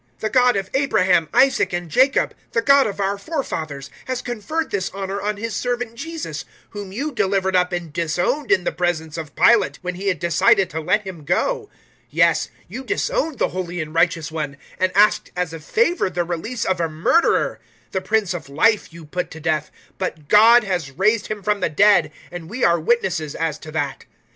003:013 The God of Abraham, Isaac, and Jacob, the God of our forefathers, has conferred this honour on His Servant Jesus, whom you delivered up and disowned in the presence of Pilate, when he had decided to let Him go. 003:014 Yes, you disowned the holy and righteous One, and asked as a favour the release of a murderer. 003:015 The Prince of Life you put to death; but God has raised Him from the dead, and we are witnesses as to that.